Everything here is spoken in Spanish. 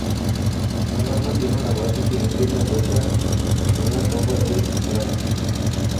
Cada uno tiene una base cilíndrica envuelta en una capa de brácteas.